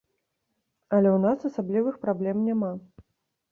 Але ў нас асаблівых праблем няма.